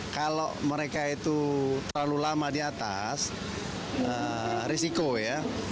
kalau mereka itu terlalu lama di atas risiko ya